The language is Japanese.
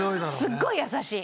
すっごい優しい。